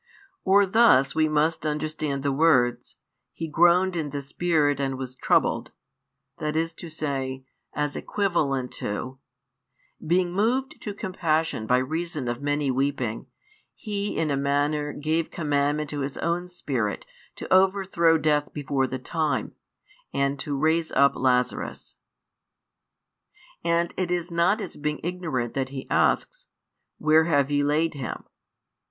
Or thus we must understand the words: He groaned in the spirit and was troubled, viz: as equivalent to: "Being moved to compassion by reason of many weeping, He in a manner gave commandment to His own Spirit to overthrow death before the time, and to raise up Lazarus." And it is not as being ignorant that He asks: Where have ye laid him?